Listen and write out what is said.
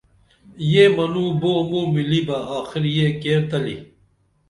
یہ منوں بُو موں ملی بہ آخر یہ کیر تلی